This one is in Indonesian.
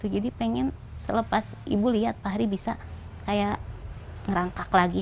jadi pengen selepas ibu lihat fahri bisa kayak ngerangkak lagi